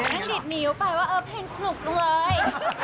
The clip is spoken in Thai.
ดิดนิ้วไปว่าเออเพลงสนุกจังเลย